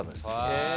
へえ。